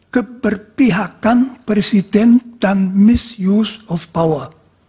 keperpihakan presiden dan misuse of power